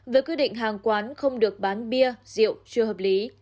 với quy định hàng quán không được bán bia rượu chưa hợp lý